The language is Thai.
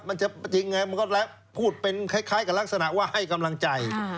มันจะจริงไงมันก็พูดเป็นคล้ายกับลักษณะว่าให้กำลังใจ